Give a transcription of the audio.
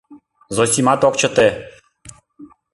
Зосимат ок чыте.